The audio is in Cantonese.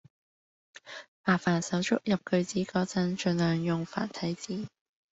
麻煩手足入句子嗰陣，盡量用繁體字